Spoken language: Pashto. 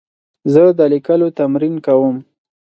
زه د لیکلو تمرین کوم.